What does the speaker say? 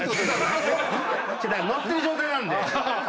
乗ってる状態なんで。